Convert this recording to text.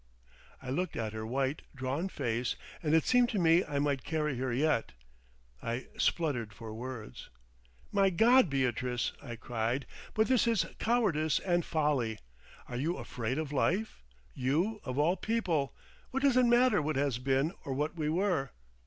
I looked at her white, drawn face, and it seemed to me I might carry her yet. I spluttered for words. "My God! Beatrice!" I cried; "but this is cowardice and folly! Are you afraid of life? You of all people! What does it matter what has been or what we were?